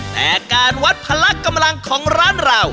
แต่การวัดพลักกำลังของร้านเรา